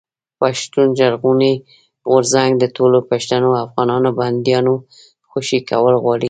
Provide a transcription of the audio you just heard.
پښتون ژغورني غورځنګ د ټولو پښتنو افغانانو بنديانو خوشي کول غواړي.